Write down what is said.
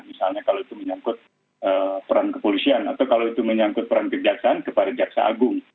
misalnya kalau itu menyangkut peran kepolisian atau kalau itu menyangkut peran kejaksaan kepada jaksa agung